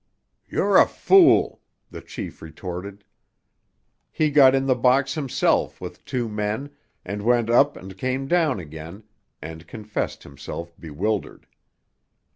"You're a fool!" the chief retorted. He got in the box himself with two men, and went up and came down again, and confessed himself bewildered.